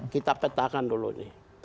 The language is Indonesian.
kita petakan dulu nih